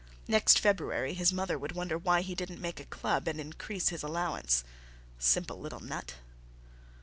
... Next February his mother would wonder why he didn't make a club and increase his allowance... simple little nut....